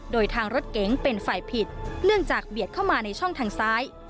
โดยทางรถเก๋งเป็นฝ่ายผิดเนื่องจากเบียดเข้ามาในช่องทางซ้าย